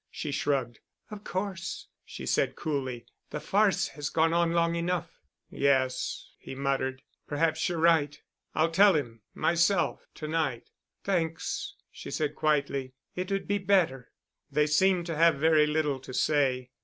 She shrugged. "Of course," she said coolly, "the farce has gone on long enough." "Yes," he muttered. "Perhaps you're right. I'll tell him—myself—to night." "Thanks," she said quietly, "it would be better." They seemed to have very little to say.